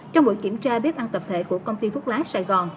trong buổi kiểm tra bếp ăn tập thể của công ty thuốc lá sài gòn